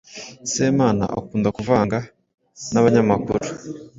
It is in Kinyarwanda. Semana akunda kuvugana n’abanyamakuru.